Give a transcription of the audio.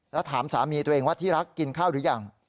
แล้วถามสามีตัวเองว่าที่รักกินข้าวหรือยัง